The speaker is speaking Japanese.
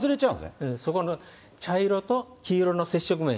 そこの茶色と、黄色の接触面。